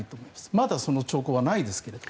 まだその兆候はないですけども。